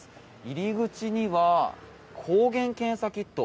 入り口には抗原検査キット